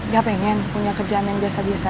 gak pengen punya kerjaan yang biasa biasa aja